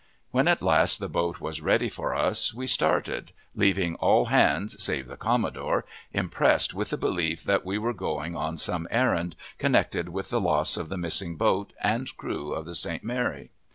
When at last the boat was ready for us, we started, leaving all hands, save the commodore, impressed with the belief that we were going on some errand connected with the loss of the missing boat and crew of the St. Mary.